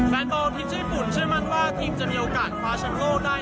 แฟนตัวทิศญี่ปุ่นเชื่อมันว่าทิศจะมีโอกาสฟ้าแชมป์โลกได้